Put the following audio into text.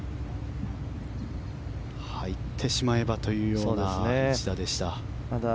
入ってしまえばというような一打でした。